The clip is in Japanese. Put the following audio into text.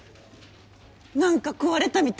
何か壊れたみ